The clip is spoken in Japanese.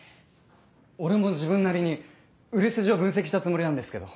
俺も自分なりに売れ筋を分析したつもりなんですけど。